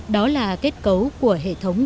đó là kết cấu của hệ thống